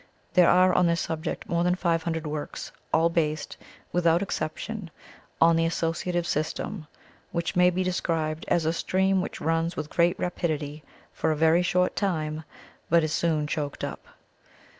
There are on this subject more than five hundred works, all based, without exception, on the Associative system, which may be described as a stream which runs with great rapidity for a very short time but is soon choked up.